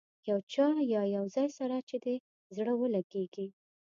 یو چا یا یو ځای سره چې دې زړه ولګېږي.